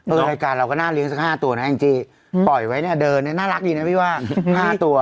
รายการเราก็น่าเลี้ยสักห้าตัวนะแองจี้ปล่อยไว้เนี่ยเดินเนี่ยน่ารักดีนะพี่ว่าห้าตัว